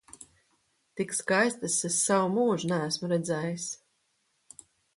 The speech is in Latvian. Tik skaistas es savu mūžu neesmu redzējis!